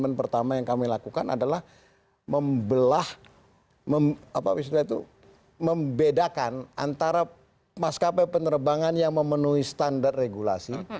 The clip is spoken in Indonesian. membelah apa misalnya itu membedakan antara maskapai penerbangan yang memenuhi standar regulasi